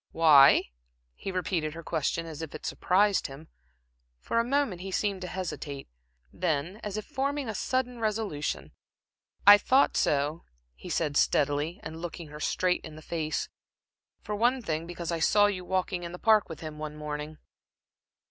"Why?" He repeated her question as if it surprised him. For a moment he seemed to hesitate; then, as if forming a sudden resolution: "I thought so," he said, steadily, and looking her straight in the face "for one thing, because I saw you walking in the Park with him one morning."